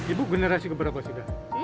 ibu generasi keberapa sudah